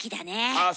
ああ